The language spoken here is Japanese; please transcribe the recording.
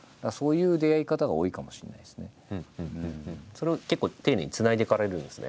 それを結構丁寧につないでいかれるんですね。